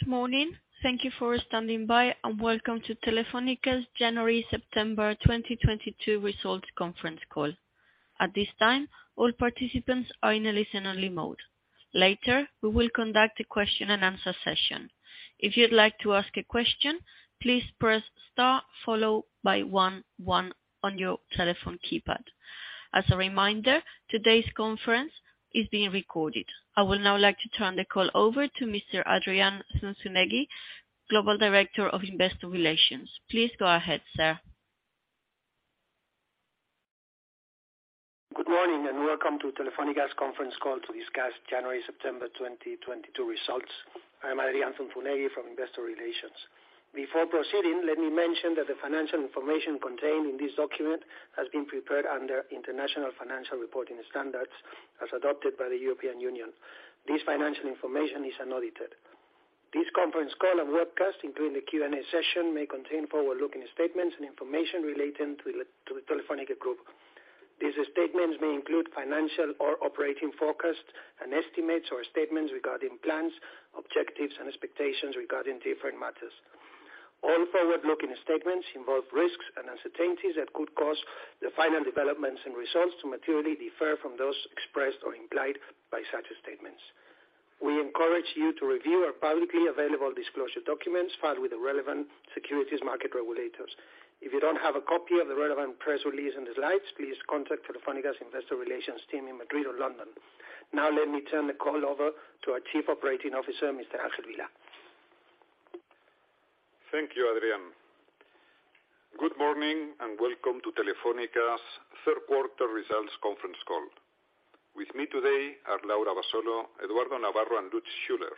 Good morning. Thank you for standing by, and welcome to Telefónica's January-September 2022 Results Conference Call. At this time, all participants are in a listen only mode. Later, we will conduct a question and answer session. If you'd like to ask a question, please press star followed by one on your telephone keypad. As a reminder, today's conference is being recorded. I would now like to turn the call over to Mr. Adrián Zunzunegui, Global Director of Investor Relations. Please go ahead, sir. Good morning, and welcome to Telefónica's Conference Call to discuss January-September 2022 results. I am Adrián Zunzunegui from Investor Relations. Before proceeding, let me mention that the financial information contained in this document has been prepared under International Financial Reporting Standards, as adopted by the European Union. This financial information is unaudited. This conference call and webcast, including the Q&A session, may contain forward-looking statements and information relating to the Telefónica group. These statements may include financial or operating forecasts and estimates or statements regarding plans, objectives, and expectations regarding different matters. All forward-looking statements involve risks and uncertainties that could cause the final developments and results to materially differ from those expressed or implied by such statements. We encourage you to review our publicly available disclosure documents filed with the relevant securities market regulators. If you don't have a copy of the relevant press release and the slides, please contact Telefónica's Investor Relations team in Madrid or London. Now let me turn the call over to our Chief Operating Officer, Mr. Ángel Vilá. Thank you, Adrián. Good morning, and welcome to Telefónica's Third Quarter Results Conference Call. With me today are Laura Abasolo, Eduardo Navarro, and Lutz Schüler.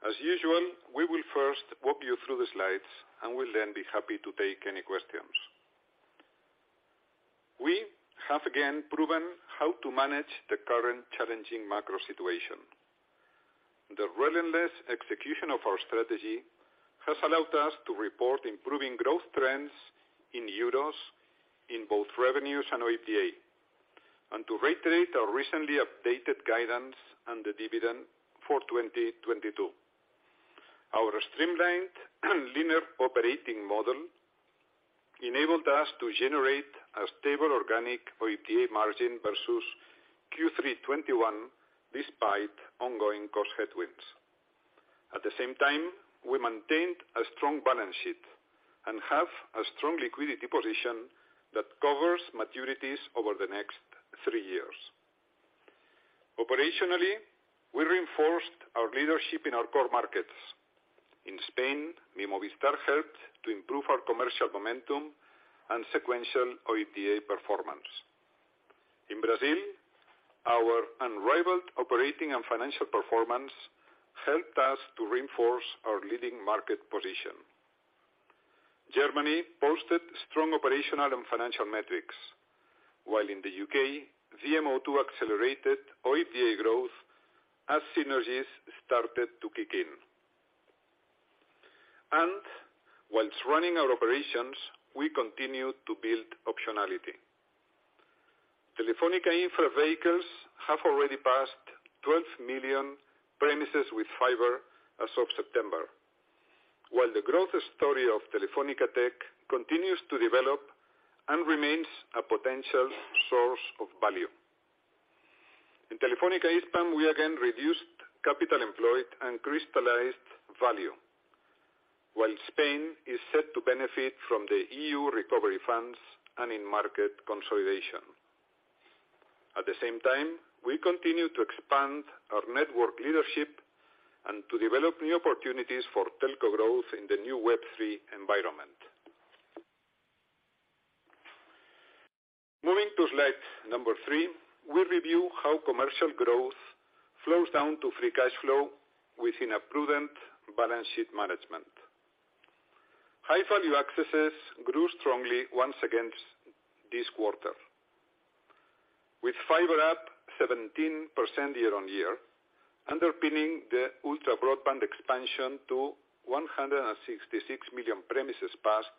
As usual, we will first walk you through the slides and will then be happy to take any questions. We have again proven how to manage the current challenging macro situation. The relentless execution of our strategy has allowed us to report improving growth trends in euros in both revenues and OIBDA, and to reiterate our recently updated guidance and the dividend for 2022. Our streamlined linear operating model enabled us to generate a stable organic OIBDA margin versus Q3 2021, despite ongoing cost headwinds. At the same time, we maintained a strong balance sheet and have a strong liquidity position that covers maturities over the next three years. Operationally, we reinforced our leadership in our core markets. In Spain, Mi Movistar helped to improve our commercial momentum and sequential OIBDA performance. In Brazil, our unrivaled operating and financial performance helped us to reinforce our leading market position. Germany posted strong operational and financial metrics, while in the U.K., VMO2 accelerated OIBDA growth as synergies started to kick in. While running our operations, we continued to build optionality. Telefónica Infra vehicles have already passed 12 million premises with fiber as of September, while the growth story of Telefónica Tech continues to develop and remains a potential source of value. In Telefónica Spain, we again reduced capital employed and crystallized value, while Spain is set to benefit from the EU recovery funds and in market consolidation. At the same time, we continue to expand our network leadership and to develop new opportunities for telco growth in the new Web3 environment. Moving to slide three, we review how commercial growth flows down to free cash flow within a prudent balance sheet management. High-value accesses grew strongly once again this quarter, with fiber up 17% year-on-year, underpinning the ultra-broadband expansion to 166 million premises passed,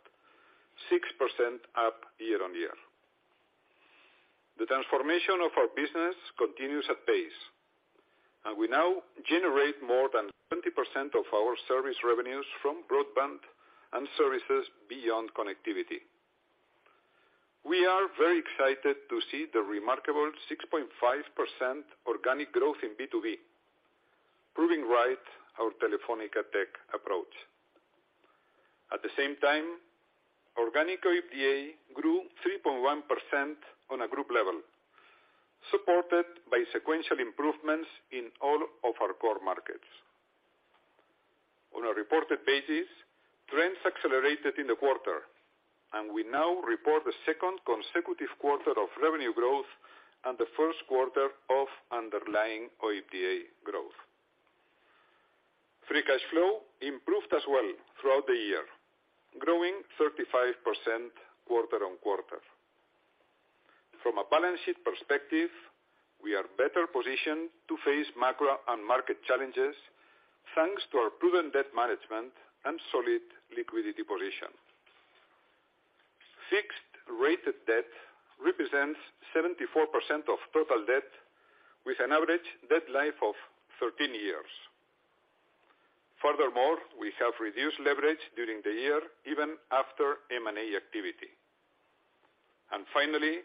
6% up year-on-year. The transformation of our business continues at pace, and we now generate more than 20% of our service revenues from broadband and services beyond connectivity. We are very excited to see the remarkable 6.5% organic growth in B2B, proving right our Telefónica Tech approach. At the same time, organic OIBDA grew 3.1% on a group level, supported by sequential improvements in all of our core markets. On a reported basis, trends accelerated in the quarter, and we now report the second consecutive quarter of revenue growth and the first quarter of underlying OIBDA growth. Free cash flow improved as well throughout the year, growing 35% quarter on quarter. From a balance sheet perspective, we are better positioned to face macro and market challenges thanks to our proven debt management and solid liquidity position. Fixed rated debt represents 74% of total debt, with an average deadline of 13 years. Furthermore, we have reduced leverage during the year, even after M&A activity. Finally,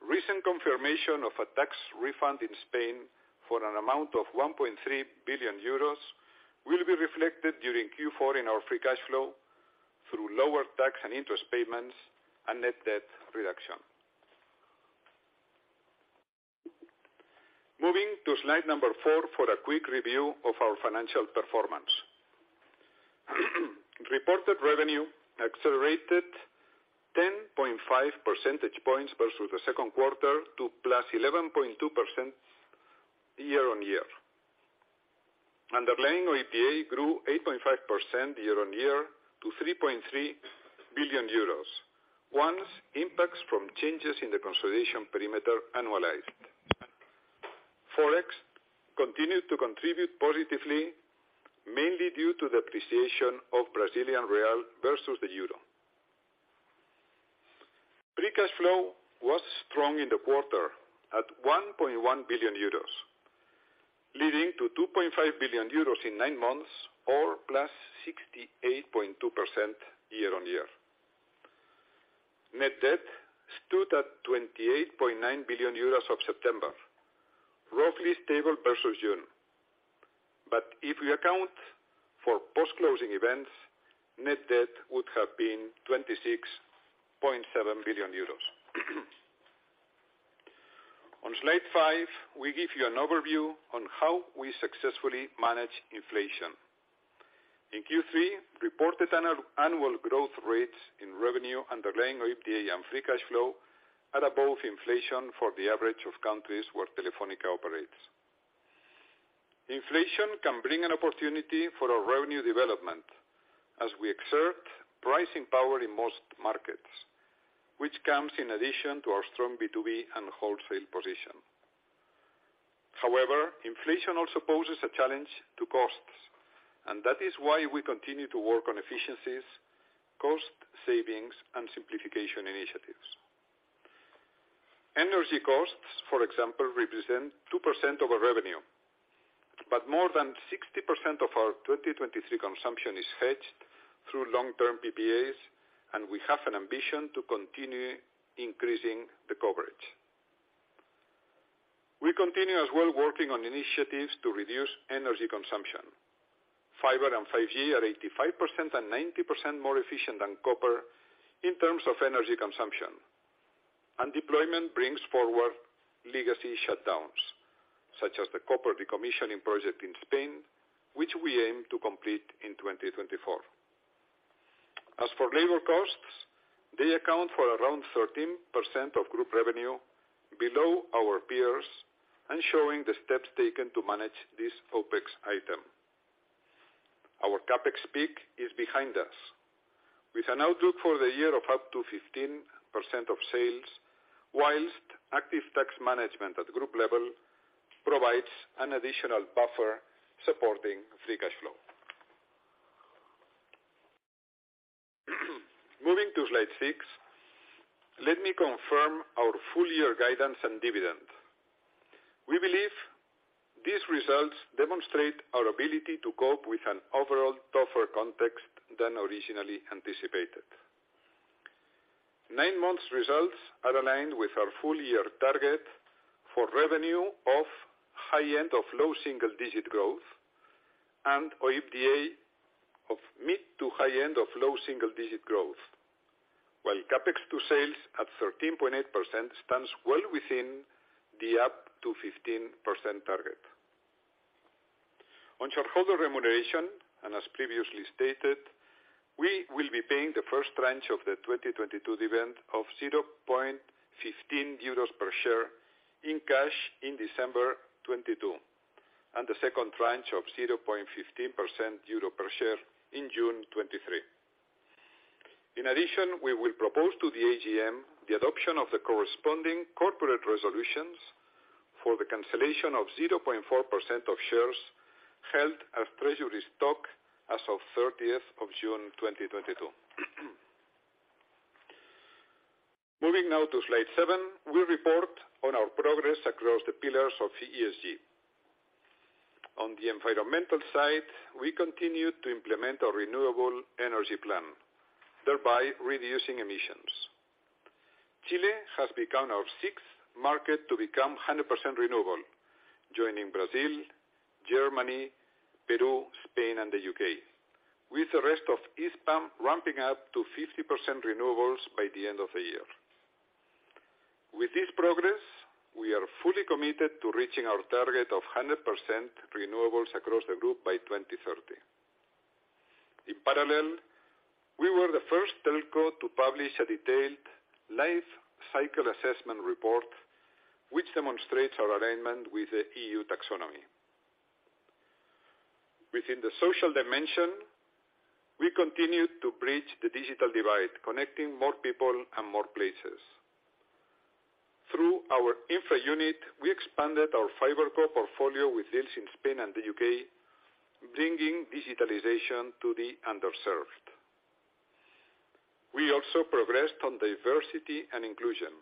recent confirmation of a tax refund in Spain for an amount of 1.3 billion euros will be reflected during Q4 in our free cash flow through lower tax and interest payments and net debt reduction. Moving to slide number four for a quick review of our financial performance. Reported revenue accelerated 10.5 percentage points versus the second quarter to +11.2% year-on-year. Underlying OIBDA grew 8.5% year-on-year to 3.3 billion euros, once impacts from changes in the consolidation perimeter annualized. Forex continued to contribute positively, mainly due to the appreciation of Brazilian real versus the euro. Free cash flow was strong in the quarter at 1.1 billion euros, leading to 2.5 billion euros in nine months or +68.2% year-on-year. Net debt stood at 28.9 billion euros as of September, roughly stable versus June. If you account for post-closing events, net debt would have been 26.7 billion euros. On slide five, we give you an overview on how we successfully manage inflation. In Q3, reported annual growth rates in revenue, underlying OIBDA and free cash flow at above inflation for the average of countries where Telefónica operates. Inflation can bring an opportunity for our revenue development as we exert pricing power in most markets, which comes in addition to our strong B2B and wholesale position. However, inflation also poses a challenge to costs, and that is why we continue to work on efficiencies, cost savings, and simplification initiatives. Energy costs, for example, represent 2% of our revenue, but more than 60% of our 2023 consumption is hedged through long-term PPAs, and we have an ambition to continue increasing the coverage. We continue as well working on initiatives to reduce energy consumption. Fiber and 5G are 85% and 90% more efficient than copper in terms of energy consumption. Deployment brings forward legacy shutdowns, such as the copper decommissioning project in Spain, which we aim to complete in 2024. As for labor costs, they account for around 13% of group revenue below our peers and showing the steps taken to manage this OpEx item. Our CapEx peak is behind us with an outlook for the year of up to 15% of sales, while active tax management at group level provides an additional buffer supporting free cash flow. Moving to slide six, let me confirm our full year guidance and dividend. We believe these results demonstrate our ability to cope with an overall tougher context than originally anticipated. Nine-month results are aligned with our full-year target for revenue of high end of low single-digit growth and OIBDA of mid to high end of low single-digit growth, while CapEx to sales at 13.8% stands well within the up to 15% target. On shareholder remuneration, as previously stated, we will be paying the first tranche of the 2022 dividend of 0.15 euros per share in cash in December 2022, and the second tranche of 0.15 euro per share in June 2023. In addition, we will propose to the AGM the adoption of the corresponding corporate resolutions for the cancellation of 0.4% of shares held as treasury stock as of 30th of June 2022. Moving now to slide seven, we report on our progress across the pillars of ESG. On the environmental side, we continue to implement our renewable energy plan, thereby reducing emissions. Chile has become our sixth market to become 100% renewable, joining Brazil, Germany, Peru, Spain, and the U.K., with the rest of Hispam ramping up to 50% renewables by the end of the year. With this progress, we are fully committed to reaching our target of 100% renewables across the group by 2030. In parallel, we were the first telco to publish a detailed life cycle assessment report, which demonstrates our alignment with the EU Taxonomy. Within the social dimension, we continue to bridge the digital divide, connecting more people and more places. Through our infra unit, we expanded our fiber co-portfolio with deals in Spain and the U.K., bringing digitalization to the underserved. We also progressed on diversity and inclusion.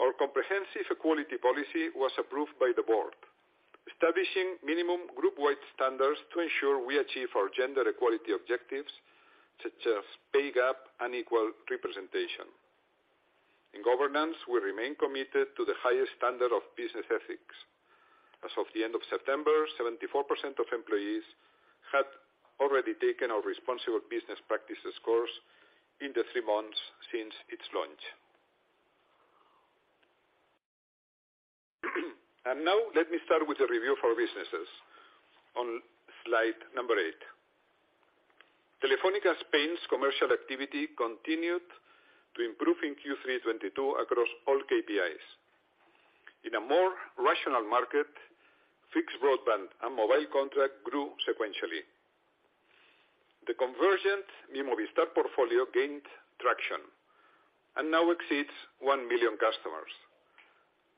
Our comprehensive equality policy was approved by the board, establishing minimum group-wide standards to ensure we achieve our gender equality objectives, such as pay gap and equal representation. In governance, we remain committed to the highest standard of business ethics. As of the end of September, 74% of employees had already taken our Responsible Business Practices course in the three months since its launch. Now let me start with a review of our businesses on slide number eight. Telefónica Spain's commercial activity continued to improve in Q3 2022 across all KPIs. In a more rational market, fixed broadband and mobile contract grew sequentially. The convergent Mi Movistar portfolio gained traction and now exceeds 1 million customers.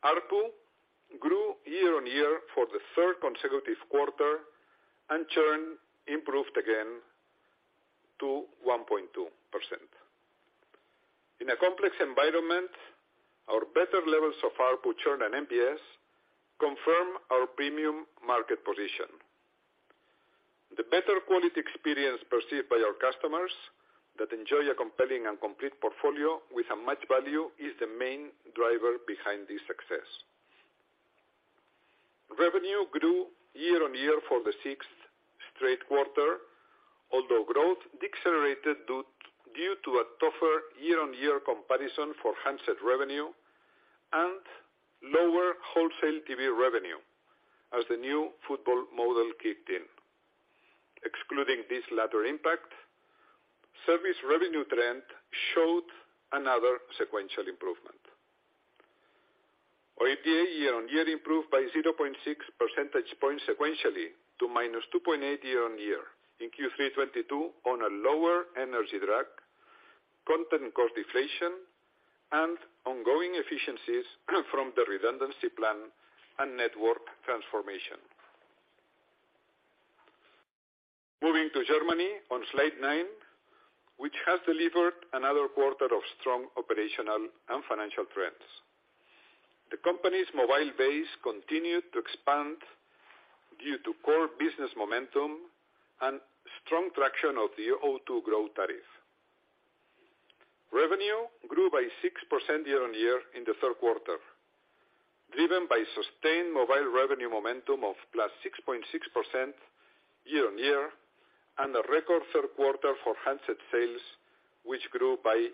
ARPU grew year on year for the third consecutive quarter and churn improved again to 1.2%. In a complex environment, our better levels of ARPU, churn, and NPS confirm our premium market position. The better quality experience perceived by our customers that enjoy a compelling and complete portfolio with much value is the main driver behind this success. Revenue grew year-on-year for the sixth straight quarter, although growth decelerated due to a tougher year-on-year comparison for handset revenue and lower wholesale TV revenue as the new football model kicked in. Excluding this latter impact, service revenue trend showed another sequential improvement. OIBDA year-on-year improved by 0.6 percentage points sequentially to -2.8% year-on-year in Q3 2022 on a lower energy drag, content cost deflation, and ongoing efficiencies from the redundancy plan and network transformation. Moving to Germany on slide nine, which has delivered another quarter of strong operational and financial trends. The company's mobile base continued to expand due to core business momentum and strong traction of the O2 growth tariff. Revenue grew by 6% year-over-year in the third quarter, driven by sustained mobile revenue momentum of +6.6% year-over-year and a record third quarter for handset sales, which grew by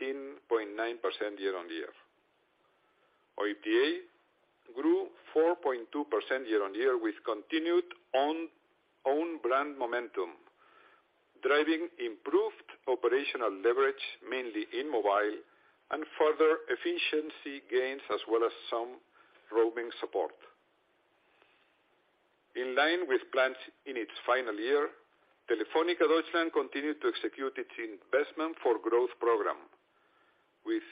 18.9% year-over-year. OIBDA grew 4.2% year-over-year with continued own brand momentum, driving improved operational leverage mainly in mobile and further efficiency gains as well as some roaming support. In line with plans in its final year, Telefónica Deutschland continued to execute its investment for growth program, with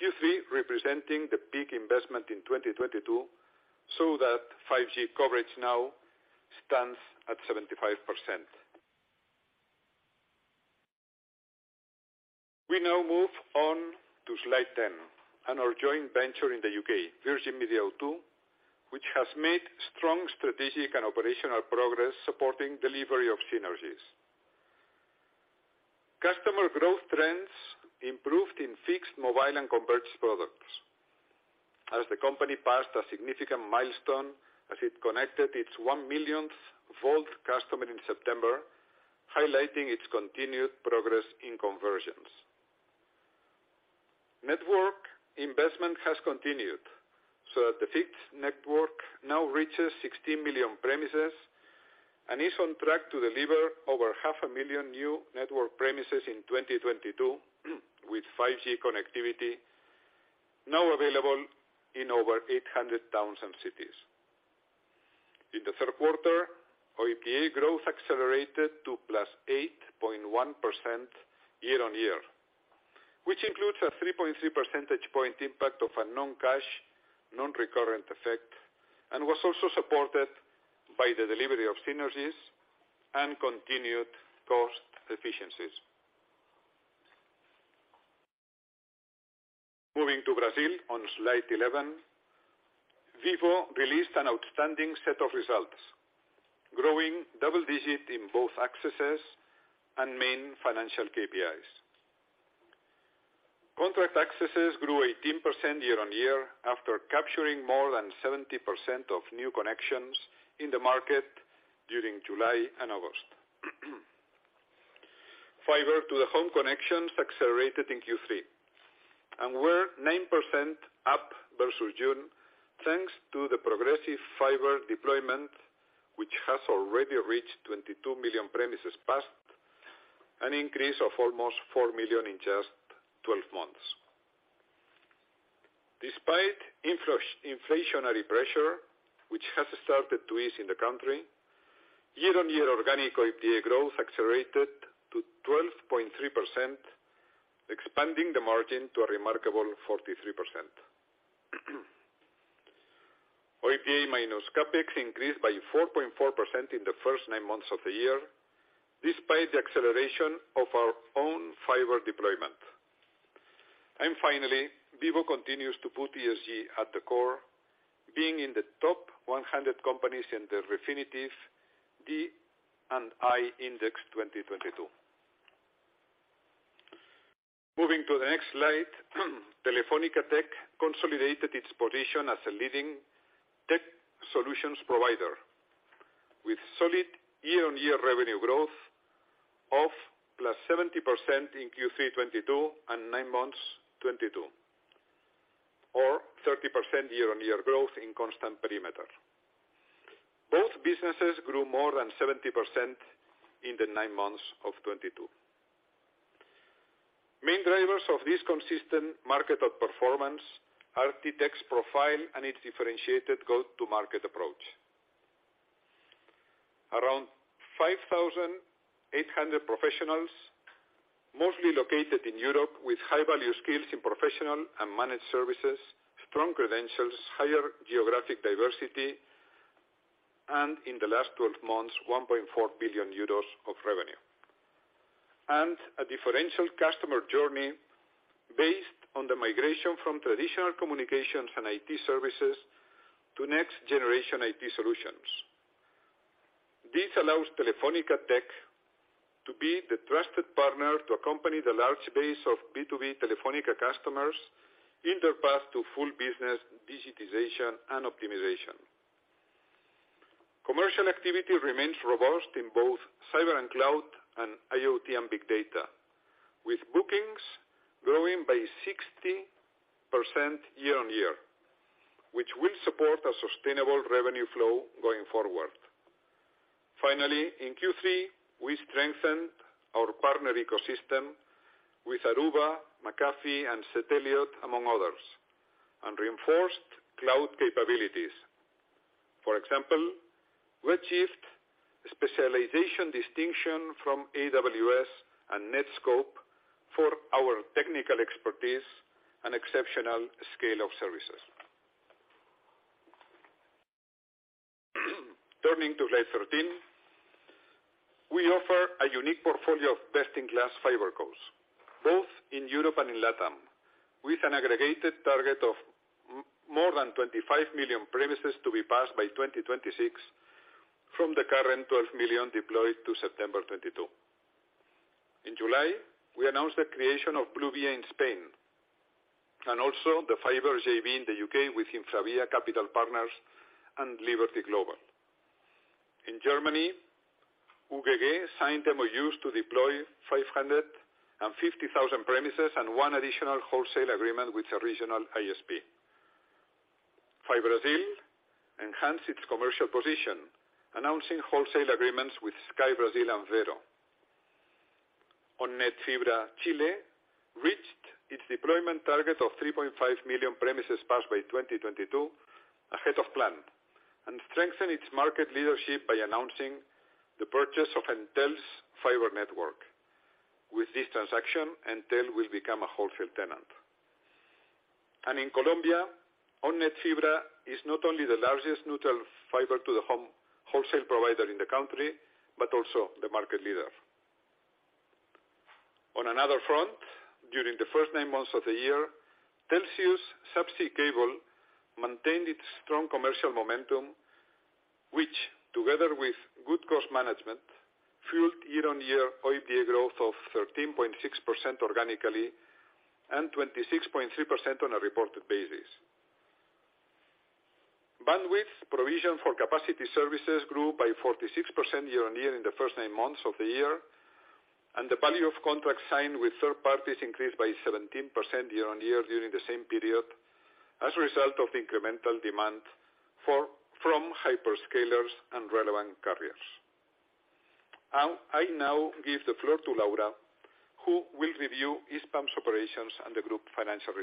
Q3 representing the peak investment in 2022 so that 5G coverage now stands at 75%. We now move on to slide 10 and our joint venture in the U.K., Virgin Media O2, which has made strong strategic and operational progress supporting delivery of synergies. Customer growth trends improved in fixed, mobile, and converged products as the company passed a significant milestone as it connected its 1 millionth Volt customer in September, highlighting its continued progress in conversions. Network investment has continued so that the fixed network now reaches 16 million premises and is on track to deliver over 500,000 new network premises in 2022 with 5G connectivity now available in over 800 towns and cities. In the third quarter, OIBDA growth accelerated to +8.1% year-on-year, which includes a 3.3 percentage point impact of a non-cash non-recurrent effect and was also supported by the delivery of synergies and continued cost efficiencies. Moving to Brazil on slide 11, Vivo released an outstanding set of results, growing double-digit in both accesses and main financial KPIs. Contract accesses grew 18% year-on-year after capturing more than 70% of new connections in the market during July and August. Fiber to the Home connections accelerated in Q3 and were 9% up versus June, thanks to the progressive fiber deployment, which has already reached 22 million premises passed, an increase of almost 4 million in just 12 months. Despite inflationary pressure, which has started to ease in the country. Year-on-year organic OIBDA growth accelerated to 12.3%, expanding the margin to a remarkable 43%. OIBDA minus CapEx increased by 4.4% in the first nine months of the year, despite the acceleration of our own fiber deployment. Finally, Vivo continues to put ESG at the core, being in the top 100 companies in the Refinitiv D&I Index 2022. Moving to the next slide. Telefónica Tech consolidated its position as a leading tech solutions provider with solid year-on-year revenue growth of +70% in Q3 2022 and nine months 2022, or 30% year-on-year growth in constant perimeter. Both businesses grew more than 70% in the nine months of 2022. Main drivers of this consistent market outperformance are the tech's profile and its differentiated go-to-market approach. Around 5,800 professionals, mostly located in Europe with high-value skills in professional and managed services, strong credentials, higher geographic diversity, and in the last 12 months, 1.4 billion euros of revenue. A differential customer journey based on the migration from traditional communications and IT services to next-generation IT solutions. This allows Telefónica Tech to be the trusted partner to accompany the large base of B2B Telefónica customers in their path to full business digitization and optimization. Commercial activity remains robust in both cyber and cloud and IoT and big data, with bookings growing by 60% year-on-year, which will support a sustainable revenue flow going forward. Finally, in Q3, we strengthened our partner ecosystem with Aruba, McAfee, and Sateliot, among others, and reinforced cloud capabilities. For example, we achieved specialization distinction from AWS and Netskope for our technical expertise and exceptional scale of services. Turning to slide 13, we offer a unique portfolio of best-in-class fiber goals, both in Europe and in LATAM, with an aggregated target of more than 25 million premises to be passed by 2026 from the current 12 million deployed to September 2022. In July, we announced the creation of Bluevia in Spain, and also the fiber JV in the U.K. with InfraVia Capital Partners and Liberty Global. In Germany, UGG signed MOUs to deploy 550,000 premises and one additional wholesale agreement with the regional ISP. FiBrasil enhanced its commercial position, announcing wholesale agreements with Sky Brasil and Vero. OnNet Fibra Chile reached its deployment target of 3.5 million premises passed by 2022 ahead of plan, and strengthened its market leadership by announcing the purchase of Entel's fiber network. With this transaction, Entel will become a wholesale tenant. In Colombia, OnNet Fibra is not only the largest neutral fiber to the home wholesale provider in the country, but also the market leader. On another front, during the first nine months of the year, Telxius subsea cable maintained its strong commercial momentum, which together with good cost management, fueled year-on-year OIBDA growth of 13.6% organically and 26.3% on a reported basis. Bandwidth provision for capacity services grew by 46% year-on-year in the first nine months of the year, and the value of contracts signed with third parties increased by 17% year-on-year during the same period as a result of incremental demand from hyperscalers and relevant carriers. I now give the floor to Laura, who will review Hispam's operations and the group financial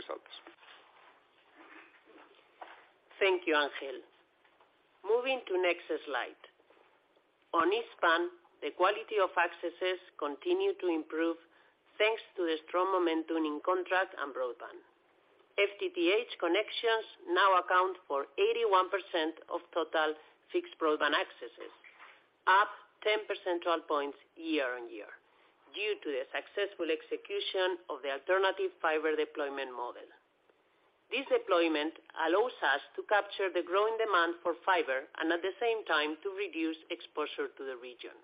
results. Thank you, Ángel. Moving to next slide. On Hispam, the quality of accesses continues to improve thanks to the strong momentum in contract and broadband. FTTH connections now account for 81% of total fixed broadband accesses, up 10 percentage points year-on-year due to the successful execution of the alternative fiber deployment model. This deployment allows us to capture the growing demand for fiber and at the same time to reduce exposure to the region.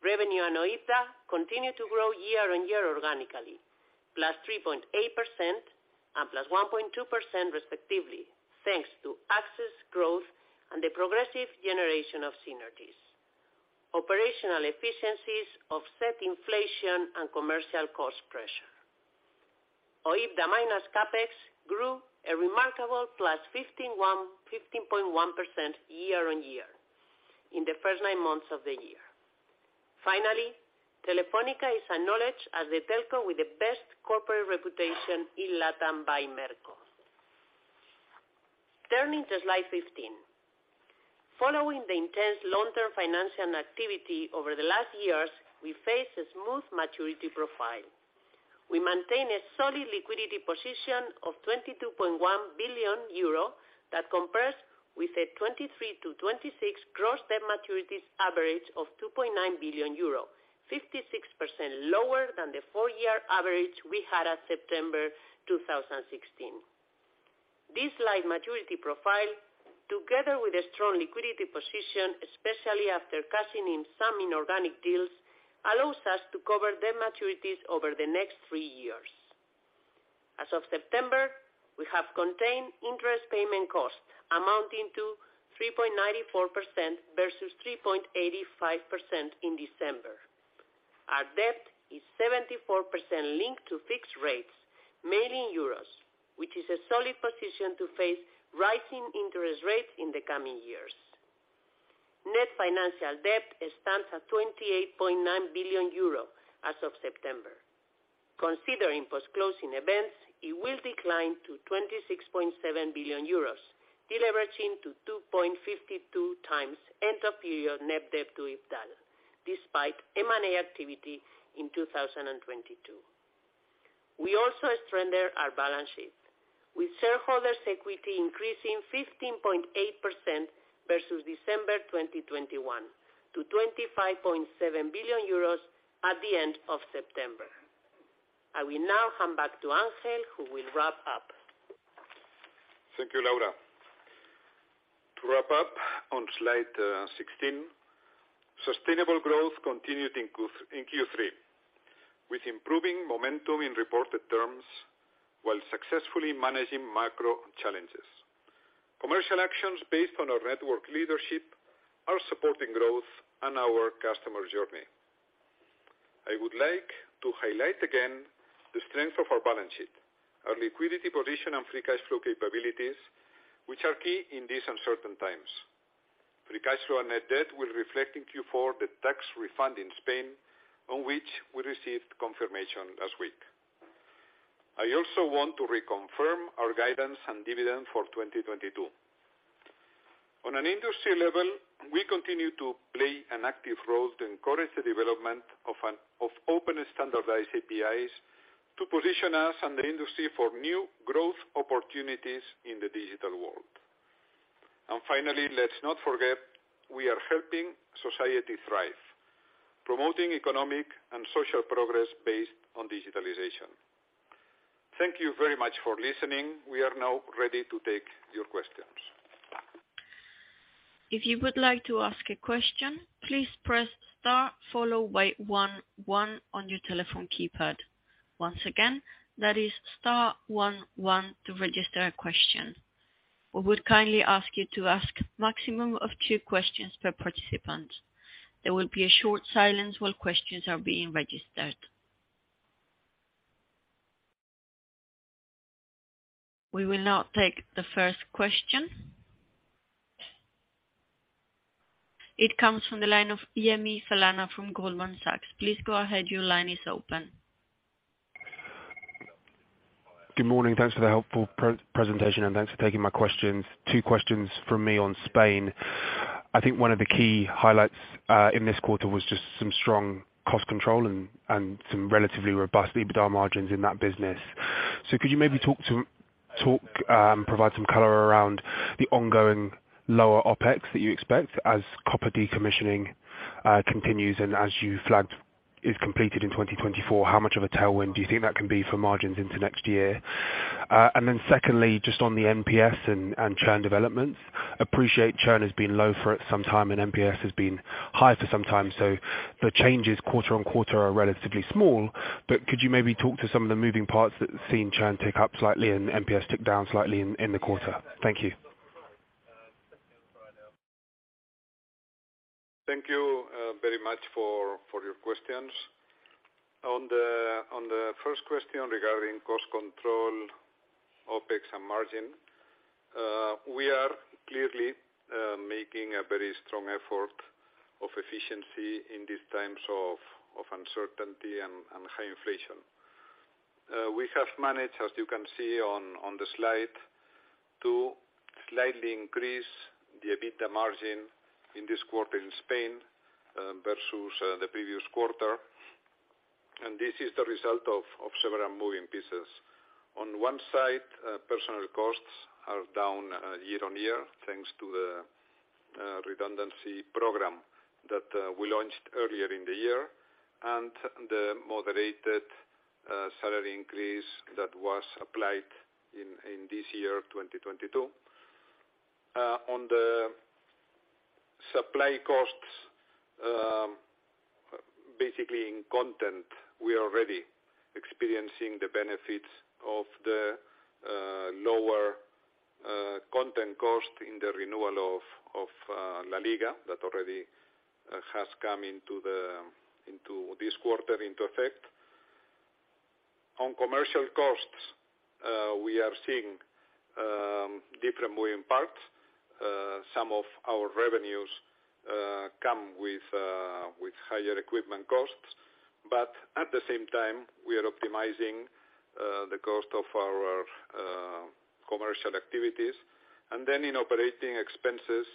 Revenue and OIBDA continue to grow year-on-year organically, +3.8% and +1.2% respectively, thanks to access growth and the progressive generation of synergies. Operational efficiencies offset inflation and commercial cost pressure. OIBDA minus CapEx grew a remarkable +15.1% year-on-year in the first nine months of the year. Finally, Telefónica is acknowledged as the telco with the best corporate reputation in LATAM by Merco. Turning to slide 15. Following the intense long term financial activity over the last years, we face a smooth maturity profile. We maintain a solid liquidity position of 22.1 billion euro that compares with a 23-26 gross debt maturities average of 2.9 billion euro, 56% lower than the four-year average we had at September 2016. This light maturity profile, together with a strong liquidity position, especially after cashing in some inorganic deals, allows us to cover debt maturities over the next three years. As of September, we have contained interest payment costs amounting to 3.94% versus 3.85% in December. Our debt is 74% linked to fixed rates, mainly in euros, which is a solid position to face rising interest rates in the coming years. Net financial debt stands at 28.9 billion euro as of September. Considering post-closing events, it will decline to 26.7 billion euros, deleveraging to 2.52x end of period net debt to EBITDA, despite M&A activity in 2022. We also strengthen our balance sheet with shareholders equity increasing 15.8% versus December 2021 to 25.7 billion euros at the end of September. I will now hand back to Ángel Vilá, who will wrap up. Thank you, Laura. To wrap up on slide 16. Sustainable growth continued in Q3 with improving momentum in reported terms while successfully managing macro challenges. Commercial actions based on our network leadership are supporting growth and our customer journey. I would like to highlight again the strength of our balance sheet, our liquidity position and free cash flow capabilities, which are key in these uncertain times. Free cash flow and net debt will reflect in Q4 the tax refund in Spain, on which we received confirmation last week. I also want to reconfirm our guidance and dividend for 2022. On an industry level, we continue to play an active role to encourage the development of open and standardized APIs to position us and the industry for new growth opportunities in the digital world. Finally, let's not forget, we are helping society thrive, promoting economic and social progress based on digitalization. Thank you very much for listening. We are now ready to take your questions. If you would like to ask a question, please press star followed by one one on your telephone keypad. Once again, that is star one one to register a question. We would kindly ask you to ask maximum of two questions per participant. There will be a short silence while questions are being registered. We will now take the first question. It comes from the line of Yemi Falana from Goldman Sachs. Please go ahead. Your line is open. Good morning. Thanks for the helpful pre-presentation, and thanks for taking my questions. Two questions from me on Spain. I think one of the key highlights in this quarter was just some strong cost control and some relatively robust EBITDA margins in that business. Could you maybe provide some color around the ongoing lower OpEx that you expect as copper decommissioning continues and as you flagged is completed in 2024. How much of a tailwind do you think that can be for margins into next year? Secondly, just on the NPS and churn development. Appreciate churn has been low for some time and NPS has been high for some time. The changes quarter-over-quarter are relatively small. Could you maybe talk to some of the moving parts that have seen churn tick up slightly and NPS tick down slightly in the quarter? Thank you. Thank you, very much for your questions. On the first question regarding cost control, OpEx and margin, we are clearly making a very strong effort of efficiency in these times of uncertainty and high inflation. We have managed, as you can see on the slide, to slightly increase the EBITDA margin in this quarter in Spain, versus the previous quarter. This is the result of several moving pieces. On one side, personnel costs are down year-on-year, thanks to the redundancy program that we launched earlier in the year and the moderated salary increase that was applied in this year, 2022. On the supply costs, basically in content, we are already experiencing the benefits of the lower content cost in the renewal of LaLiga that already has come into this quarter into effect. On commercial costs, we are seeing different moving parts. Some of our revenues come with higher equipment costs, but at the same time, we are optimizing the cost of our commercial activities. In operating expenses,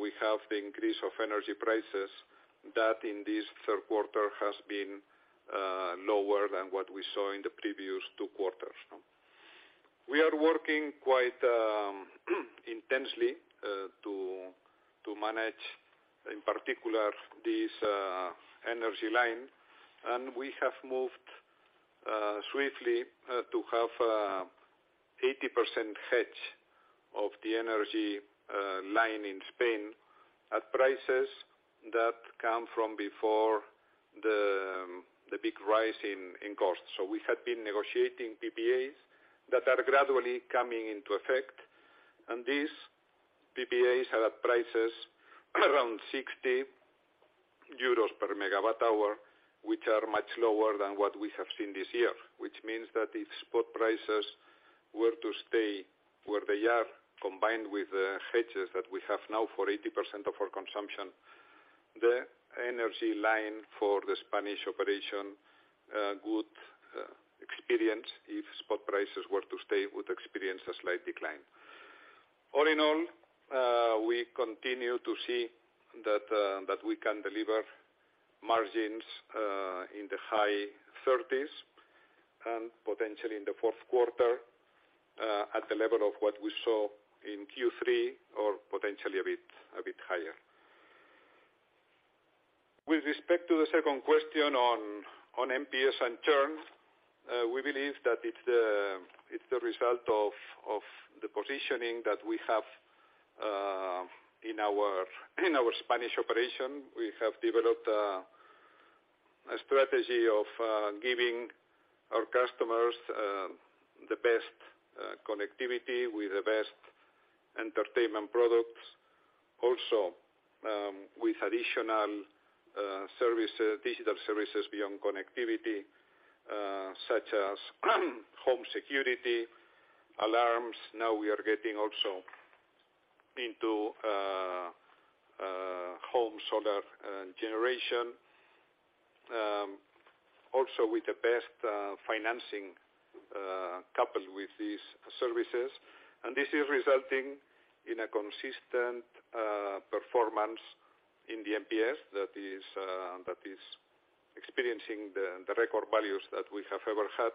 we have the increase of energy prices that in this third quarter has been lower than what we saw in the previous two quarters. We are working quite intensely to manage, in particular this energy line. We have moved swiftly to have 80% hedge of the energy line in Spain at prices that come from before the big rise in cost. We had been negotiating PPAs that are gradually coming into effect, and these PPAs are at prices around 60 euros/MWh, which are much lower than what we have seen this year. Which means that if spot prices were to stay where they are, combined with the hedges that we have now for 80% of our consumption, the energy line for the Spanish operation would experience a slight decline. All in all, we continue to see that we can deliver margins in the high 30s% and potentially in the fourth quarter at the level of what we saw in Q3 or potentially a bit higher. With respect to the second question on NPS and churn, we believe that it's the result of the positioning that we have in our Spanish operation. We have developed a strategy of giving our customers the best connectivity with the best entertainment products. Also, with additional service, digital services beyond connectivity, such as home security alarms. Now we are getting also into home solar and generation. Also with the best financing coupled with these services. This is resulting in a consistent performance in the NPS that is experiencing the record values that we have ever had,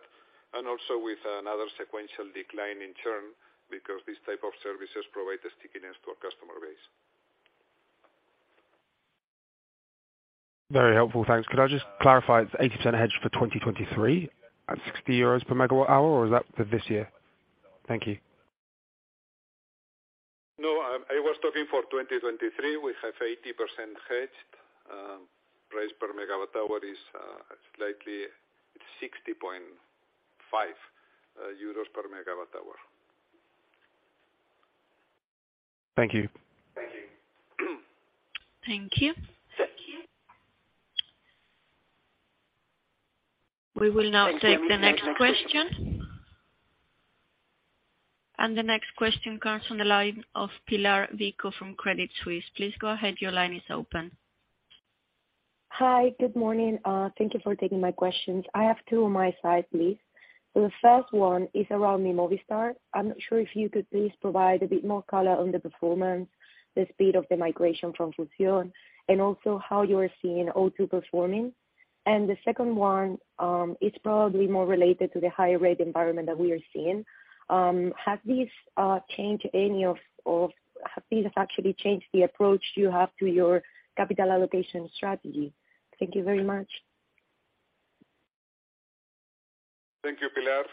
and also with another sequential decline in churn because these type of services provide the stickiness to our customer base. Very helpful, thanks. Could I just clarify, it's 80% hedge for 2023 at 60 euros/MWh, or is that for this year? Thank you. No, I was talking for 2023. We have 80% hedged. Price per megawatt hour is slightly EUR 60.5/MWh. Thank you. Thank you. Thank you. We will now take the next question. The next question comes from the line of Pilar Vico from Credit Suisse. Please go ahead. Your line is open. Hi. Good morning. Thank you for taking my questions. I have two on my side, please. The first one is around Mi Movistar. I'm not sure if you could please provide a bit more color on the performance, the speed of the migration from Fusión, and also how you are seeing O2 performing. The second one is probably more related to the higher rate environment that we are seeing. Has this actually changed the approach you have to your capital allocation strategy? Thank you very much. Thank you, Pilar.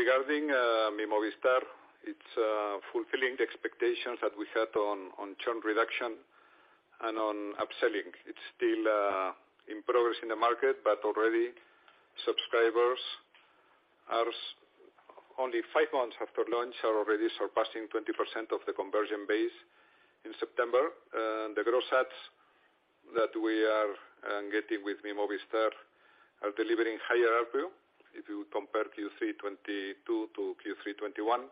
Regarding Mi Movistar, it's fulfilling the expectations that we had on churn reduction and upselling. It's still in progress in the market, but already subscribers are only 5 months after launch, are already surpassing 20% of the conversion base in September. The gross adds that we are getting with Mi Movistar are delivering higher ARPU if you compare Q3 2022 to Q3 2021.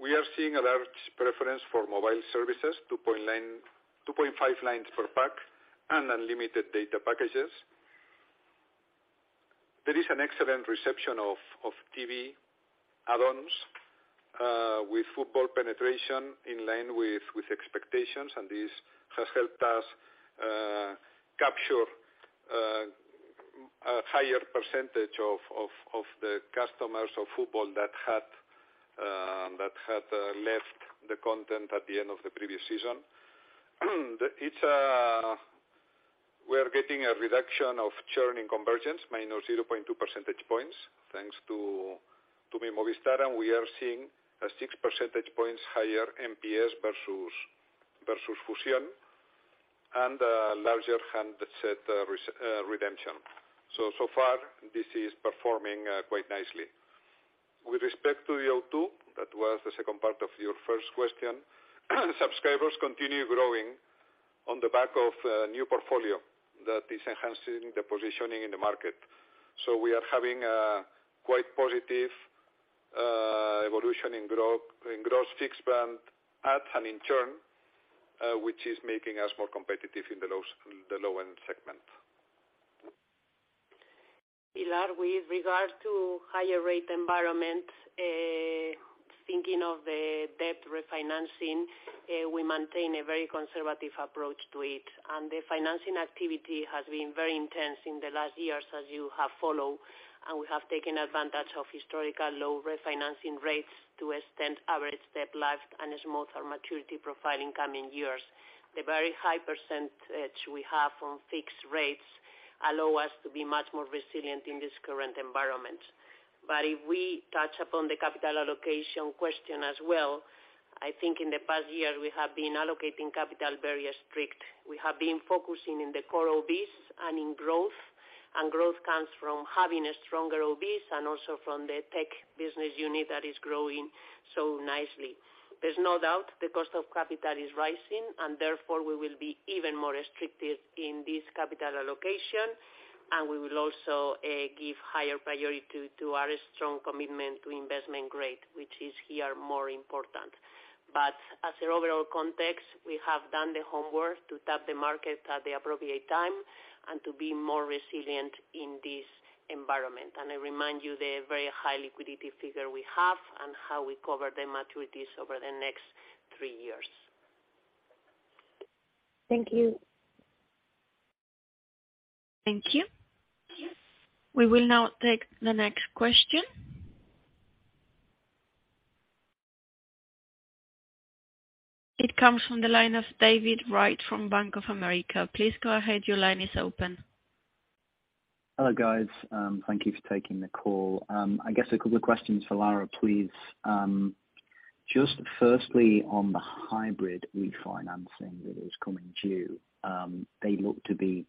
We are seeing a large preference for mobile services, 2.5 lines per pack and unlimited data packages. There is an excellent reception of TV add-ons with football penetration in line with expectations, and this has helped us capture a higher percentage of the customers of football that had left the content at the end of the previous season. We're getting a reduction of churn in convergence, -0.2 percentage points, thanks to Mi Movistar, and we are seeing a six percentage points higher NPS versus Fusión and a larger handset redemption. So far this is performing quite nicely. With respect to the O2, that was the second part of your first question, subscribers continue growing. On the back of new portfolio that is enhancing the positioning in the market. We are having a quite positive evolution in gross fixed spend, and in turn, which is making us more competitive in the low-end segment. Pilar, with regards to higher rate environment, thinking of the debt refinancing, we maintain a very conservative approach to it. The financing activity has been very intense in the last years, as you have followed. We have taken advantage of historically low refinancing rates to extend average debt life and a smoother maturity profile in coming years. The very high percentage we have on fixed rates allow us to be much more resilient in this current environment. If we touch upon the capital allocation question as well, I think in the past year, we have been allocating capital very strict. We have been focusing in the core OIBDAs and in growth. Growth comes from having a stronger OIBDAs and also from the tech business unit that is growing so nicely. There's no doubt the cost of capital is rising, and therefore we will be even more restrictive in this capital allocation. We will also give higher priority to our strong commitment to investment grade, which is here more important. As an overall context, we have done the homework to tap the market at the appropriate time and to be more resilient in this environment. I remind you the very high liquidity figure we have and how we cover the maturities over the next three years. Thank you. Thank you. We will now take the next question. It comes from the line of David Wright from Bank of America. Please go ahead. Your line is open. Hello, guys. Thank you for taking the call. I guess a couple of questions for Laura, please. Just firstly, on the hybrid refinancing that is coming due, they look to be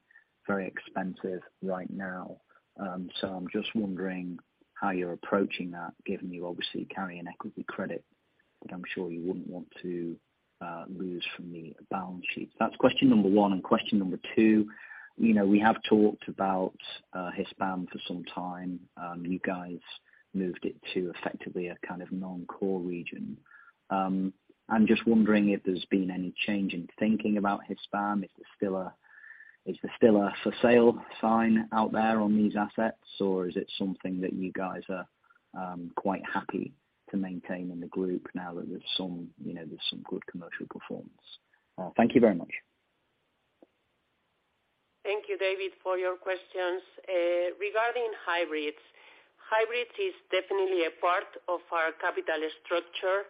very expensive right now. I'm just wondering how you're approaching that, given you obviously carry an equity credit that I'm sure you wouldn't want to lose from the balance sheet. That's question number one. Question number two, you know, we have talked about Hispam for some time. You guys moved it to effectively a kind of non-core region. I'm just wondering if there's been any change in thinking about Hispam. Is there still a for sale sign out there on these assets, or is it something that you guys are quite happy to maintain in the group now that there's some, you know, good commercial performance? Thank you very much. Thank you, David, for your questions. Regarding hybrids. Hybrid is definitely a part of our capital structure,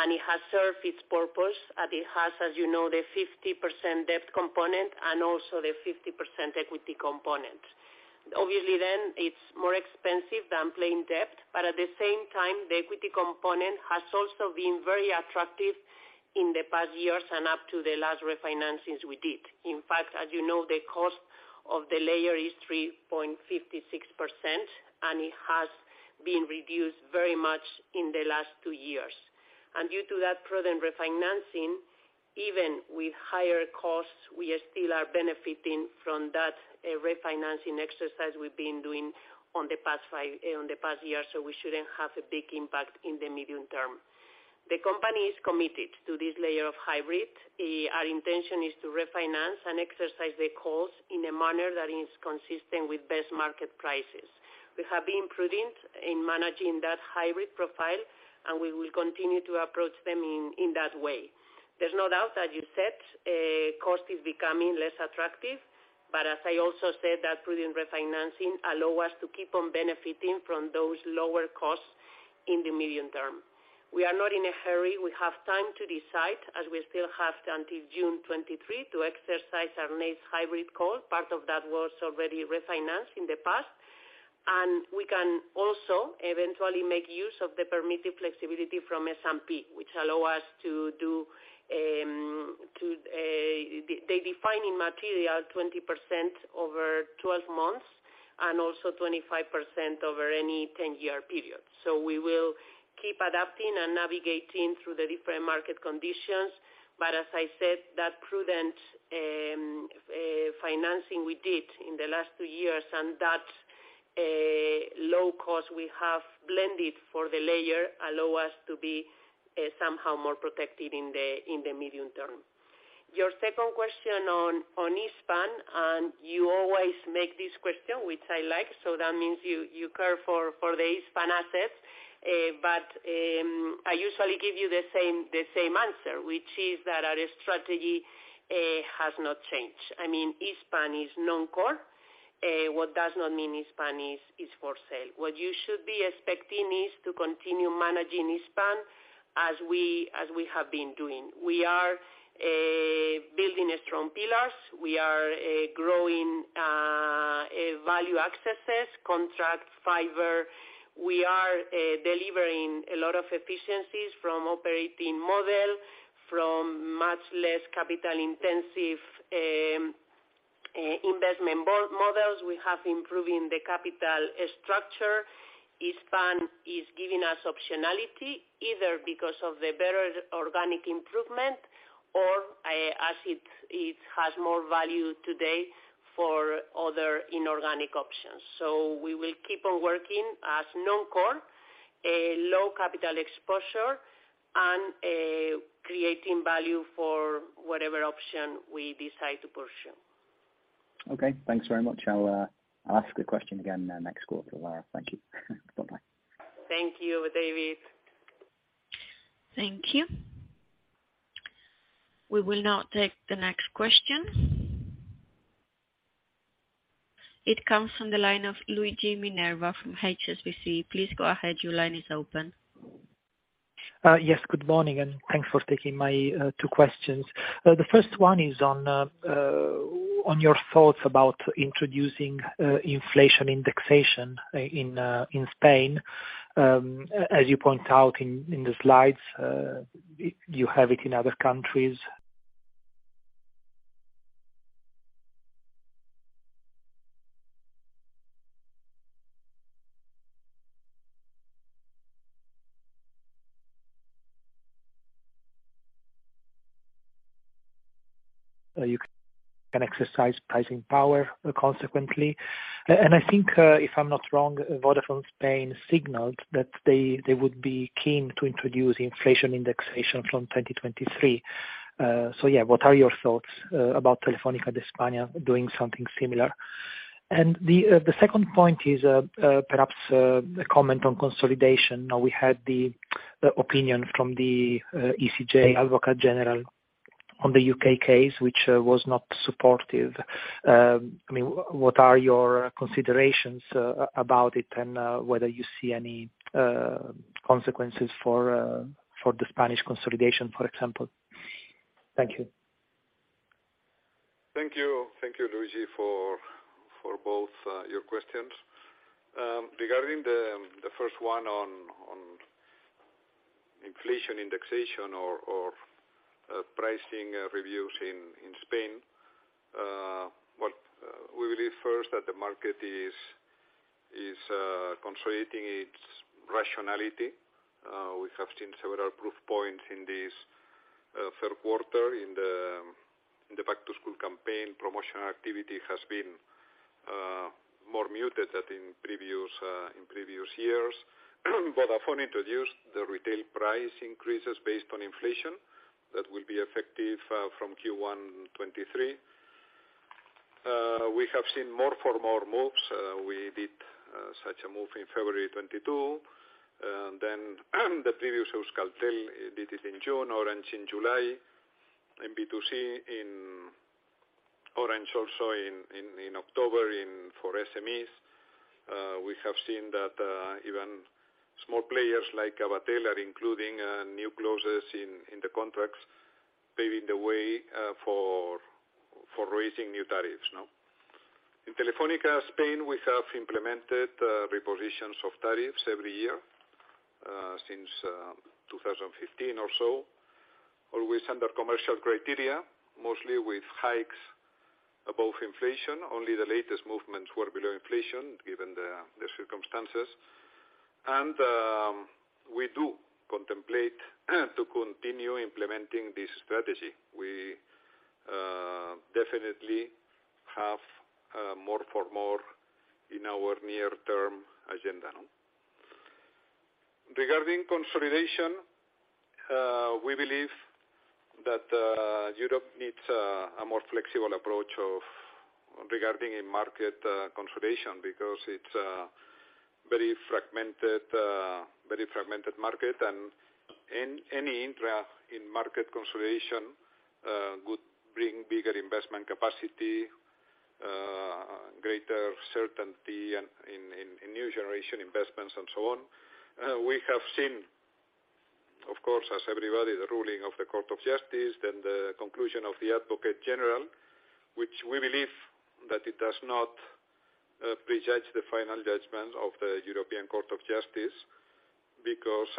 and it has served its purpose, as it has, as you know, the 50% debt component and also the 50% equity component. Obviously, then it's more expensive than plain debt, but at the same time, the equity component has also been very attractive in the past years and up to the last refinancings we did. In fact, as you know, the cost of the layer is 3.56%, and it has been reduced very much in the last two years. Due to that prudent refinancing, even with higher costs, we are still benefiting from that refinancing exercise we've been doing over the past year, so we shouldn't have a big impact in the medium term. The company is committed to this layer of hybrid. Our intention is to refinance and exercise the calls in a manner that is consistent with best market practice. We have been prudent in managing that hybrid profile, and we will continue to approach them in that way. There's no doubt, as you said, cost is becoming less attractive. As I also said, that prudent refinancing allow us to keep on benefiting from those lower costs in the medium term. We are not in a hurry. We have time to decide, as we still have until June 2023 to exercise our next hybrid call. Part of that was already refinanced in the past. We can also eventually make use of the permitted flexibility from S&P, which allow us to do they define as immaterial 20% over 12 months and also 25% over any 10-year period. We will keep adapting and navigating through the different market conditions. As I said, that prudent financing we did in the last two years and that low cost we have blended for the leverage allow us to be somehow more protected in the medium term. Your second question on Hispam, and you always make this question, which I like, so that means you care for the Hispam assets. I usually give you the same answer, which is that our strategy has not changed. I mean, Hispam is non-core. What does not mean Hispam is for sale. What you should be expecting is to continue managing Hispam as we have been doing. We are building a strong pillars. We are growing value accesses, contract fiber. We are delivering a lot of efficiencies from operating model, from much less capital intensive investment models, we have improving the capital structure. Each front is giving us optionality, either because of the better organic improvement or as it has more value today for other inorganic options. We will keep on working as non-core, a low capital exposure, and creating value for whatever option we decide to pursue. Okay. Thanks very much. I'll ask the question again the next quarter, Laura. Thank you. Bye-bye. Thank you, David. Thank you. We will now take the next question. It comes from the line of Luigi Minerva from HSBC. Please go ahead. Your line is open. Yes. Good morning, and thanks for taking my two questions. The first one is on your thoughts about introducing inflation indexation in Spain. As you point out in the slides, you have it in other countries. You can exercise pricing power consequently. I think, if I'm not wrong, Vodafone Spain signaled that they would be keen to introduce inflation indexation from 2023. What are your thoughts about Telefónica de España doing something similar? The second point is perhaps a comment on consolidation. We had the opinion from the ECJ Advocate General on the U.K. case, which was not supportive. I mean, what are your considerations about it, and whether you see any consequences for the Spanish consolidation, for example? Thank you. Thank you, Luigi, for both your questions. Regarding the first one on inflation indexation or pricing reviews in Spain, we believe first that the market is consolidating its rationality. We have seen several proof points in this third quarter in the back-to-school campaign. Promotional activity has been more muted than in previous years. Vodafone introduced the retail price increases based on inflation that will be effective from Q1 2023. We have seen more moves. We did such a move in February 2022. Then three years of Euskaltel did it in June, Orange in July, and B2C in, Orange also in October for SMEs. We have seen that even small players like Avatel are including new clauses in the contracts, paving the way for raising new tariffs now. In Telefónica Spain, we have implemented repositions of tariffs every year since 2015 or so, always under commercial criteria, mostly with hikes above inflation. Only the latest movements were below inflation given the circumstances. We do contemplate to continue implementing this strategy. We definitely have more for more in our near-term agenda now. Regarding consolidation, we believe that Europe needs a more flexible approach of regarding a market consolidation because it's a very fragmented market. Any interest in market consolidation would bring bigger investment capacity, greater certainty in new generation investments and so on. We have seen, of course, as everybody, the ruling of the Court of Justice, then the conclusion of the Advocate General, which we believe that it does not prejudge the final judgment of the European Court of Justice because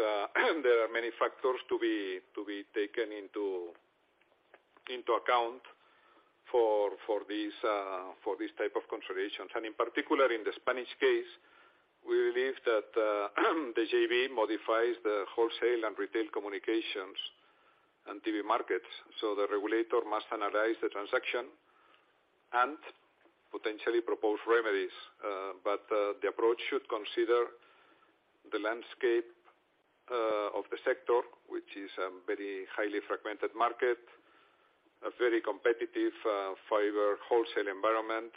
there are many factors to be taken into account for these type of consolidations. In particular, in the Spanish case, we believe that the JV modifies the wholesale and retail communications and TV markets, so the regulator must analyze the transaction and potentially propose remedies. The approach should consider the landscape of the sector, which is a very highly fragmented market, a very competitive fiber wholesale environment,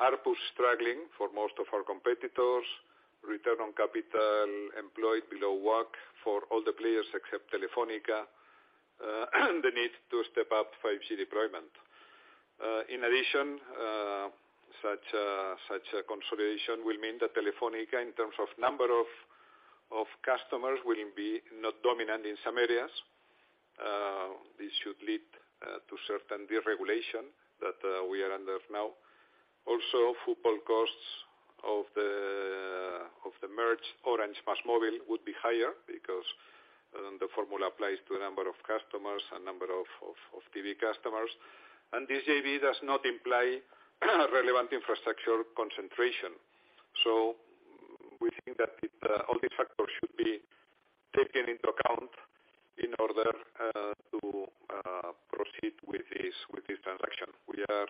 ARPU struggling for most of our competitors, return on capital employed below WACC for all the players except Telefónica, the need to step up 5G deployment. In addition, such a consolidation will mean that Telefónica, in terms of number of customers, will be not dominant in some areas. This should lead to certain deregulation that we are under now. Also, football costs of the merged Orange-MásMóvil would be higher because the formula applies to a number of customers, a number of TV customers. This JV does not imply relevant infrastructural concentration. We think that it all these factors should be taken into account in order to proceed with this transaction. We are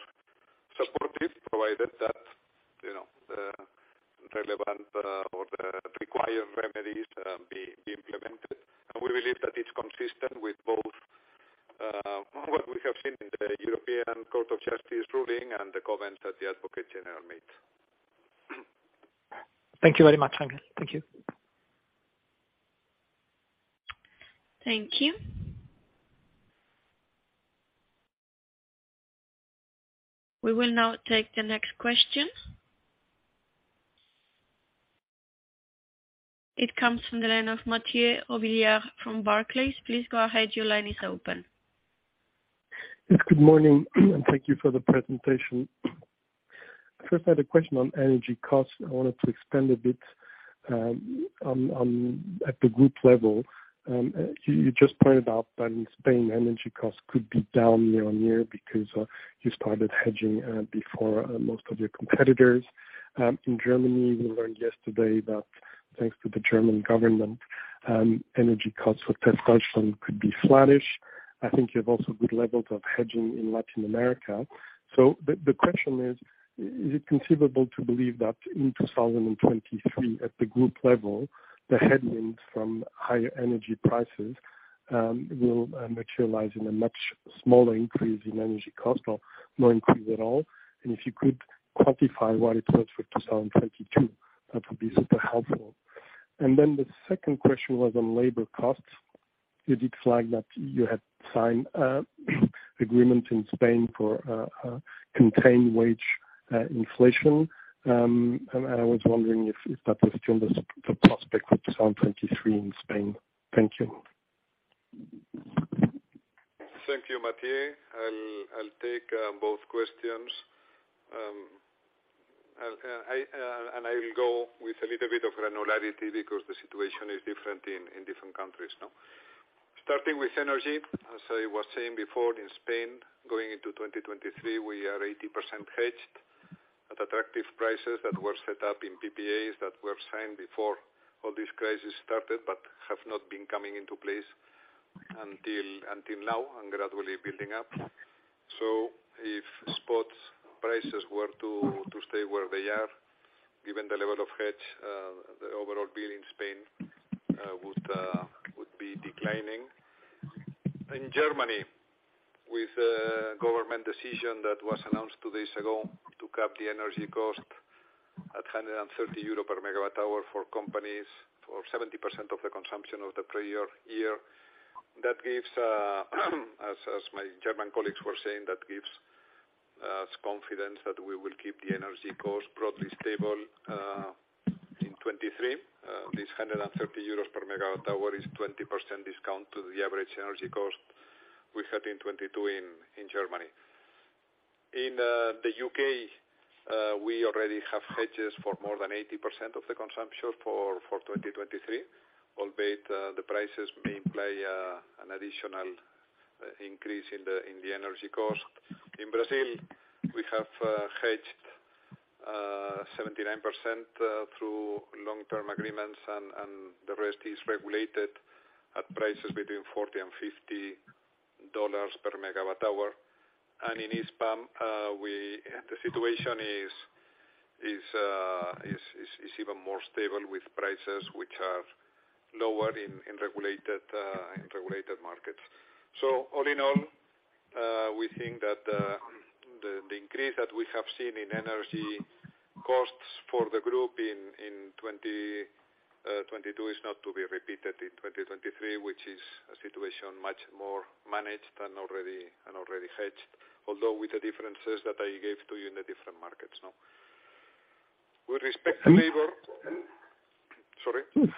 supportive provided that, you know, the relevant or the required remedies be implemented. We believe that it's consistent with both what we have seen in the European Court of Justice ruling and the comments that the Advocate General made. Thank you very much, Ángel. Thank you. Thank you. We will now take the next question. It comes from the line of Mathieu Robilliard from Barclays. Please go ahead. Your line is open. Yes, good morning, and thank you for the presentation. First, I had a question on energy costs. I wanted to expand a bit on at the group level. You just pointed out that in Spain, energy costs could be down year-on-year because you started hedging before most of your competitors. In Germany, we learned yesterday that thanks to the German government, energy costs for Telefónica Deutschland could be flattish. I think you have also good levels of hedging in Latin America. The question is: Is it conceivable to believe that in 2023 at the group level, the headwinds from higher energy prices will materialize in a much smaller increase in energy cost or no increase at all? If you could quantify what it was for 2022, that would be super helpful. The second question was on labor costs. You did flag that you had signed agreement in Spain for contained wage inflation. I was wondering if that was still the prospect for 2023 in Spain. Thank you. Thank you, Mathieu. I'll take both questions. I'll go with a little bit of granularity because the situation is different in different countries, no? Starting with energy, as I was saying before, in Spain, going into 2023, we are 80% hedged at attractive prices that were set up in PPAs that were signed before all this crisis started, but have not been coming into place until now and gradually building up. If spot prices were to stay where they are, given the level of hedge, the overall bill in Spain would be declining. In Germany, with a government decision that was announced two days ago to cap the energy cost at 130 euro/MWh for companies for 70% of the consumption of the prior year, that gives, as my German colleagues were saying, that gives us confidence that we will keep the energy cost broadly stable in 2023. This 130 euros/MWh is 20% discount to the average energy cost we had in 2022 in Germany. In the U.K., we already have hedges for more than 80% of the consumption for 2023, albeit the prices may imply an additional increase in the energy cost. In Brazil, we have hedged 79% through long-term agreements and the rest is regulated at prices between $40/MWh-$50/MWh. In Spain, the situation is even more stable with prices which are lower in regulated markets. All in all, we think that the increase that we have seen in energy costs for the group in 2022 is not to be repeated in 2023, which is a situation much more managed and already hedged, although with the differences that I gave to you in the different markets, no? With respect to labor- And-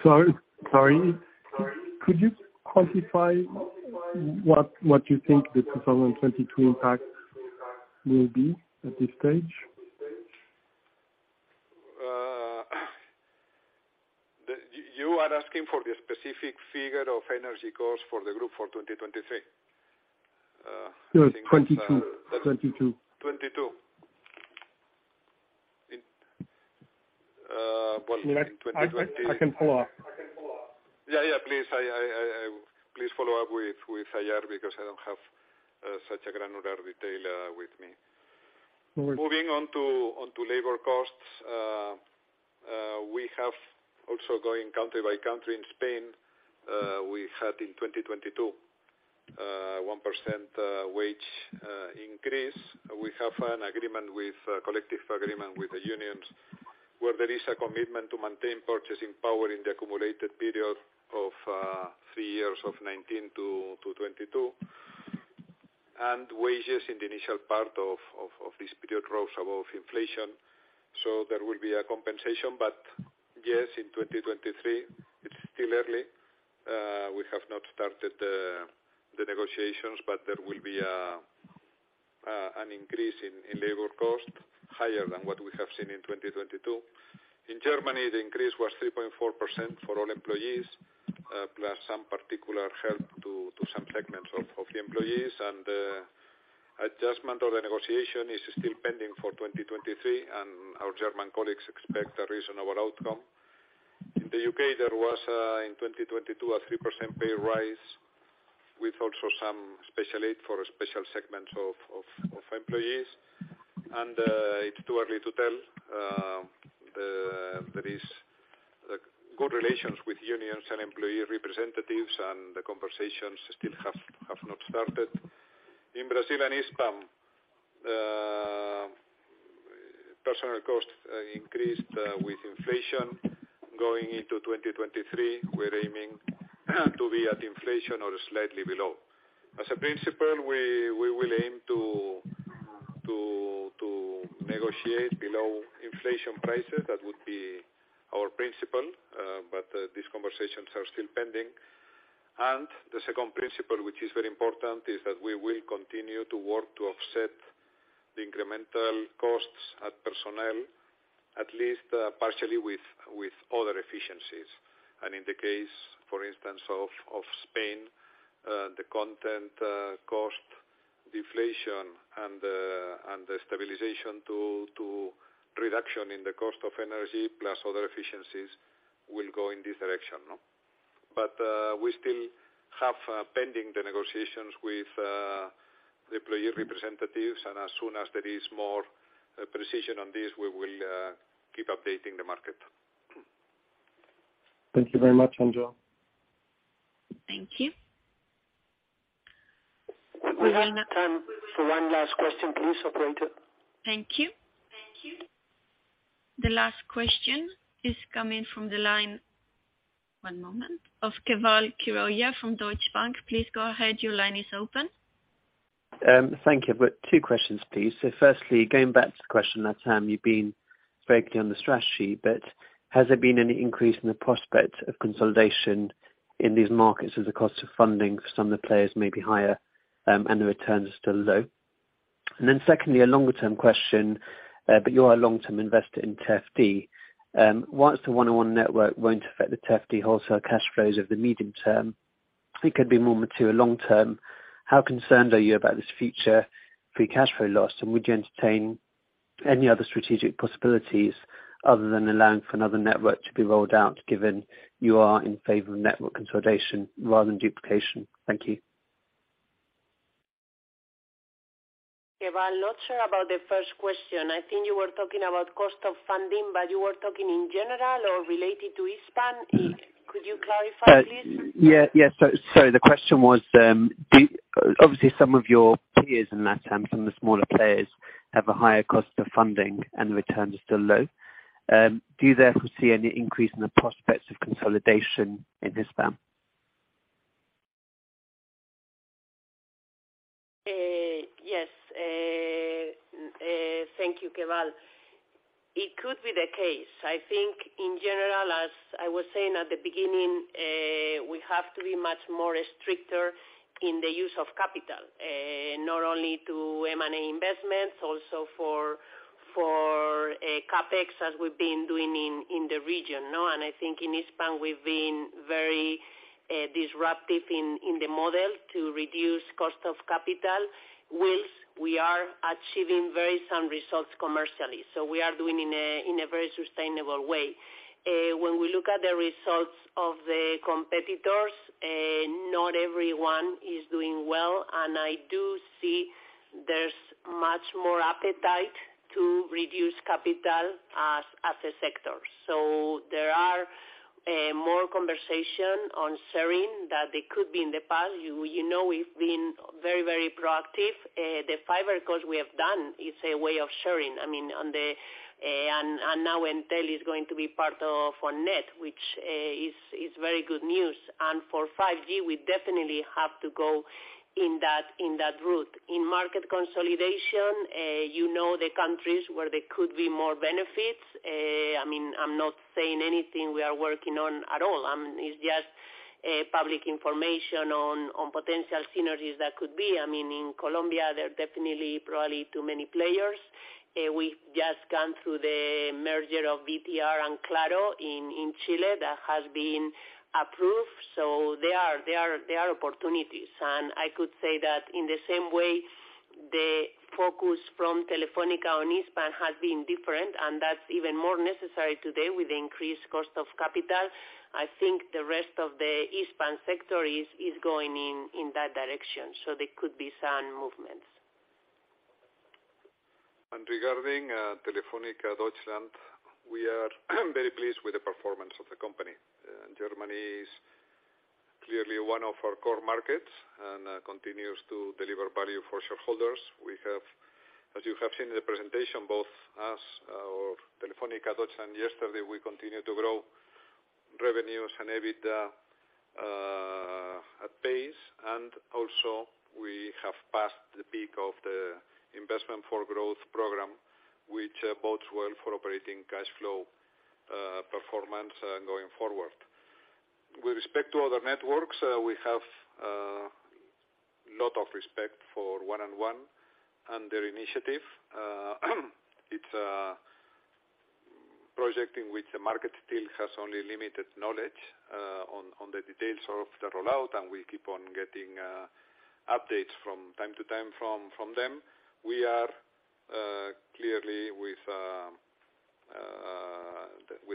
Sorry. Sorry. Could you quantify what you think the 2022 impact will be at this stage? You are asking for the specific figure of energy costs for the group for 2023? I think that's, No, 2022. 2022. 2022. In, uh, well, in 2020- I can follow up. Yeah, please. I please follow up with IR because I don't have such a granular detail with me. All right. Moving on to labor costs. We have also going country by country. In Spain, we had in 2022, 1% wage increase. We have a collective agreement with the unions, where there is a commitment to maintain purchasing power in the accumulated period of three years of 2019-2022. Wages in the initial part of this period rose above inflation. So there will be a compensation. Yes, in 2023, it's still early. We have not started the negotiations, but there will be an increase in labor cost higher than what we have seen in 2022. In Germany, the increase was 3.4% for all employees, plus some particular help to some segments of the employees. Adjustment or the negotiation is still pending for 2023, and our German colleagues expect a reasonable outcome. In the U.K., there was in 2022 a 3% pay rise with also some special aid for a special segment of employees. It's too early to tell. There is good relations with unions and employee representatives, and the conversations still have not started. In Brazil and Hispam, personal costs increased with inflation. Going into 2023, we're aiming to be at inflation or slightly below. As a principle, we will aim to negotiate below inflation prices. That would be our principle. These conversations are still pending. The second principle, which is very important, is that we will continue to work to offset the incremental costs at personnel, at least, partially with other efficiencies. In the case, for instance, of Spain, the content cost deflation and the stabilization to reduction in the cost of energy plus other efficiencies will go in this direction. We still have pending the negotiations with the employee representatives. As soon as there is more precision on this, we will keep updating the market. Thank you very much, Ángel. Thank you. We will now. We have time for one last question. Please, operator. Thank you. The last question is coming from the line. One moment. Of Keval Khiroya from Deutsche Bank. Please go ahead. Your line is open. Thank you. I've got two questions, please. Firstly, going back to the question, Latin, you've been vaguely on the strategy, but has there been any increase in the prospect of consolidation in these markets as the cost of funding for some of the players may be higher, and the returns are still low? Secondly, a longer term question, but you are a long-term investor in TFT. While the 1&1 network won't affect the TFT wholesale cash flows of the medium term, it could be more material long term. How concerned are you about this future free cash flow loss? And would you entertain any other strategic possibilities other than allowing for another network to be rolled out, given you are in favor of network consolidation rather than duplication? Thank you. Keval, not sure about the first question. I think you were talking about cost of funding, but you were talking in general or related to Hispam? Could you clarify, please? The question was, obviously, some of your peers in LATAM, some of the smaller players, have a higher cost of funding and the returns are still low. Do you therefore see any increase in the prospects of consolidation in Hispam? Yes. Thank you, Keval. It could be the case. I think in general, as I was saying at the beginning, we have to be much more stricter in the use of capital, not only to M&A investments, also for CapEx, as we've been doing in the region, no. I think in Hispam, we've been very disruptive in the model to reduce cost of capital while we are achieving very sound results commercially. We are doing in a very sustainable way. When we look at the results of the competitors, not everyone is doing well, and I do see there's much more appetite to reduce capital as a sector. There are more conversation on sharing that they could be in the past. You know, we've been very proactive. The fiber deals we have done is a way of sharing. I mean, now Entel is going to be part of ON*NET, which is very good news. For 5G, we definitely have to go in that route. In market consolidation, you know the countries where there could be more benefits. I mean, I'm not saying anything we are working on at all. It's just public information on potential synergies that could be. I mean, in Colombia, there are definitely probably too many players. We've just gone through the merger of VTR and Claro in Chile that has been approved. There are opportunities. I could say that in the same way the focus from Telefónica on Hispam has been different, and that's even more necessary today with the increased cost of capital. I think the rest of the Hispam sector is going in that direction. There could be some movements. Regarding Telefónica Deutschland, we are very pleased with the performance of the company. Germany is clearly one of our core markets and continues to deliver value for shareholders. We have, as you have seen in the presentation, both us or Telefónica Deutschland yesterday, we continue to grow revenues and EBITDA at pace, and also we have passed the peak of the investment for growth program, which bodes well for operating cash flow performance going forward. With respect to other networks, we have a lot of respect for 1&1 and their initiative. It's a project in which the market still has only limited knowledge on the details of the rollout, and we keep on getting updates from time to time from them. We are clearly with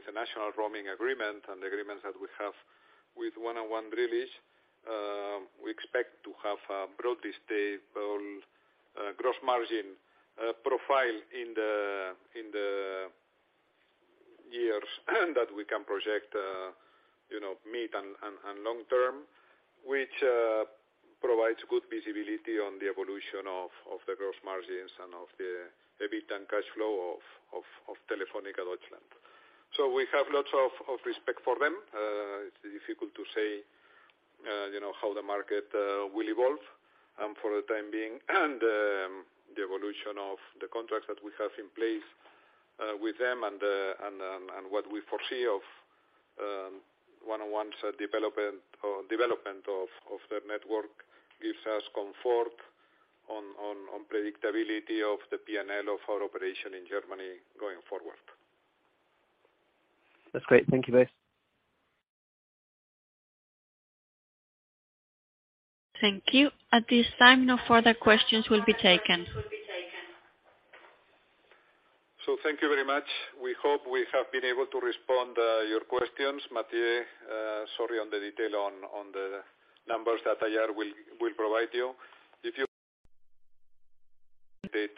the national roaming agreement and the agreements that we have with 1&1 Drillisch. We expect to have a broadly stable gross margin profile in the years that we can project, you know, mid and long term, which provides good visibility on the evolution of the gross margins and of the EBITDA and cash flow of Telefónica Deutschland. We have lots of respect for them. It's difficult to say, you know, how the market will evolve for the time being. The evolution of the contracts that we have in place with them and what we foresee of 1&1's development of their network gives us comfort on predictability of the P&L of our operation in Germany going forward. That's great. Thank you guys. Thank you. At this time, no further questions will be taken. Thank you very much. We hope we have been able to respond to your questions. Mathieu, sorry on the detail on the numbers that Ayar will provide you.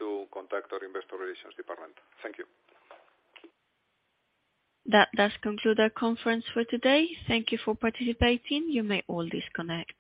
To contact our investor relations department. Thank you. That does conclude our conference for today. Thank you for participating. You may all disconnect.